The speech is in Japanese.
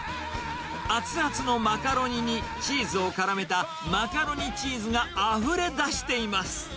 熱々のマカロニにチーズをからめたマカロニチーズがあふれ出しています。